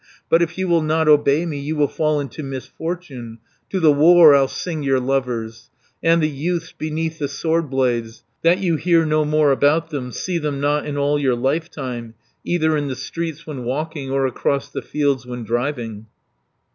"But if you will not obey me, You will fall into misfortune; To the war I'll sing your lovers, And the youths beneath the sword blades, That you hear no more about them, See them not in all your lifetime, 220 Either in the streets when walking. Or across the fields when driving."